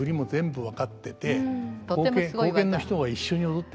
多分分かってて。